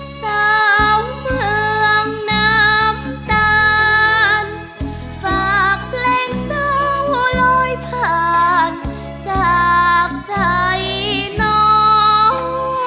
สาวเมืองน้ำตาลฝากเพลงเศร้าลอยผ่านจากใจน้อง